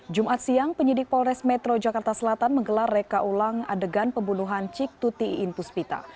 jumat siang penyidik polres metro jakarta selatan menggelar reka ulang adegan pembunuhan cik tuti inpuspita